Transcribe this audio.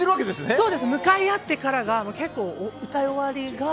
向かい合ってから結構歌い終わりが。